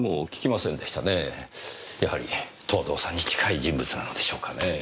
やはり藤堂さんに近い人物なのでしょうかねえ。